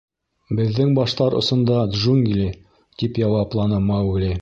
— Беҙҙең баштар осонда — джунгли, — тип яуапланы Маугли.